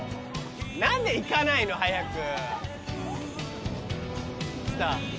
何で行かないの？早く。